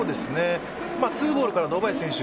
ツーボールから堂林選手